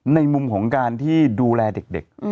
ในมุมของการที่ดูแลเด็ก